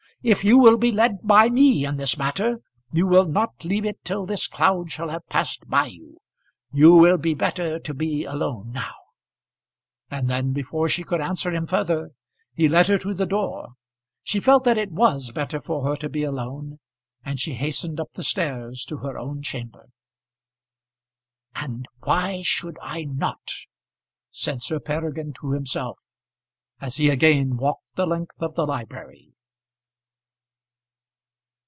If you will be led by me in this matter, you will not leave it till this cloud shall have passed by you. You will be better to be alone now;" and then before she could answer him further, he led her to the door. She felt that it was better for her to be alone, and she hastened up the stairs to her own chamber. "And why should I not?" said Sir Peregrine to himself, as he again walked the length of the library.